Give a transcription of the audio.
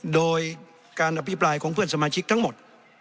โดยการอภิปรายของเพื่อนสมาชิกทั้งหมด